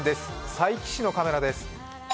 佐伯市のカメラです。